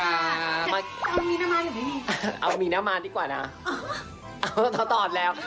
เอามีน้ำมันอยู่นี่เอามีน้ำมันดีกว่านะเอาตอนแล้ว